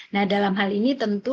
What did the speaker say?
nah dalam hal ini tentu